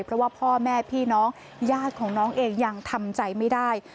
เพราะว่าพ่อแม่พี่น้องญาติของน้องเองยังทำใจไม่ได้